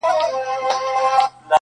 چي یې لاستی زما له ځان څخه جوړیږي!.